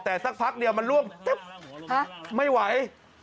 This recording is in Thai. แต่สักพักมันล่วงไม่ไหว